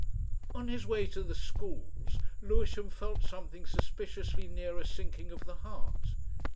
On his way to the schools Lewisham felt something suspiciously near a sinking of the heart.